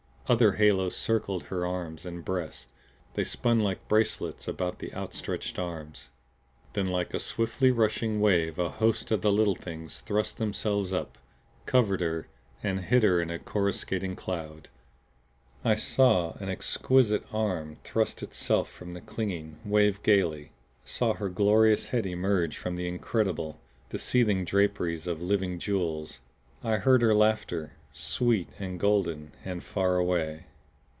Other halos circled her arms and breasts; they spun like bracelets about the outstretched arms. Then like a swiftly rushing wave a host of the Little Things thrust themselves up, covered her, hid her in a coruscating cloud. I saw an exquisite arm thrust itself from their clinging, wave gaily; saw her glorious head emerge from the incredible, the seething draperies of living jewels. I heard her laughter, sweet and golden and far away.